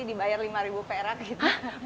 dibayar lima ribu perak gitu